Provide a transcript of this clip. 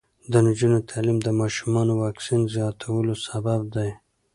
د نجونو تعلیم د ماشومانو واکسین زیاتولو سبب دی.